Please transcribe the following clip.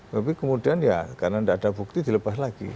tapi kemudian ya karena tidak ada bukti dilepas lagi